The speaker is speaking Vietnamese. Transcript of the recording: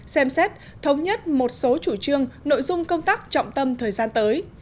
xem xét thống nhất một số chủ trương nội dung công tác trọng tâm thời gian tới